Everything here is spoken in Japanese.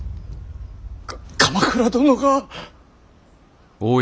か鎌倉殿が。